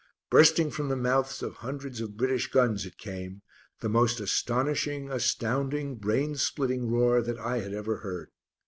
Bursting from the mouths of hundreds of British guns it came, the most astonishing, astounding, brain splitting roar that I had ever heard.